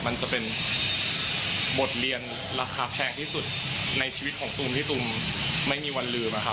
มันจะเป็นบทเรียนราคาแพงที่สุดในชีวิตของตูมที่ตุมไม่มีวันลืม